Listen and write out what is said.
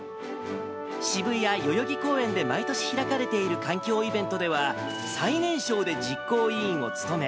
渋谷・代々木公園で毎年開かれている環境イベントでは、最年少で実行委員を務め、